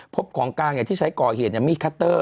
ของกลางที่ใช้ก่อเหตุมีดคัตเตอร์